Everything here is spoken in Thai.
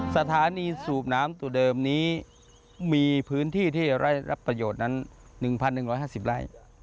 สถานีสูบน้ำตัวเดิมนี้มีพื้นที่ที่ได้รับประโยชน์นั้น๑๑๕๐ไร่